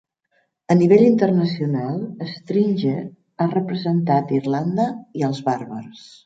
A nivell internacional, Stringer ha representat Irlanda i els bàrbars.